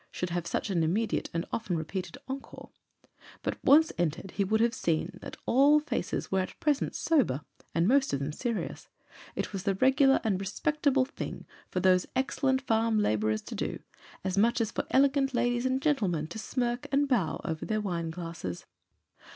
should have such an immediate and often repeated encore; but once entered, he would have seen that all faces were at present sober, and most of them serious; it was the regular and respectable thing for those excellent farm labourers to do, as much as for elegant ladies and gentlemen to smirk and bow over their wine glasses.